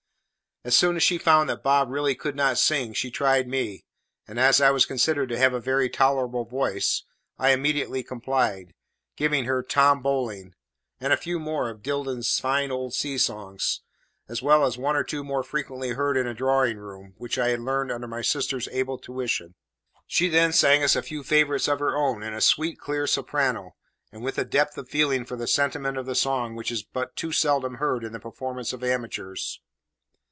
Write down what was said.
As soon as she found that Bob really could not sing, she tried me; and, as I was considered to have a very tolerable voice, I immediately complied, giving her "Tom Bowling" and a few more of Dibdin's fine old sea songs, as well as one or two more frequently heard in a drawing room, which I had learnt under my sister's able tuition. She then sang us a few favourites of her own in a sweet clear soprano, and with a depth of feeling for the sentiment of the song which is but too seldom heard in the performances of amateurs.